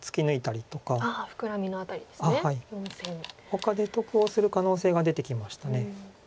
ほかで得をする可能性が出てきました。